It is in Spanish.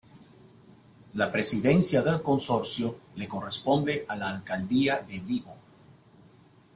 La Presidencia del Consorcio le corresponde a la Alcaldía de Vigo.